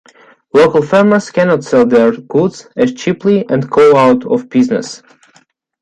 Local farmers cannot sell their goods as cheaply and go out of business.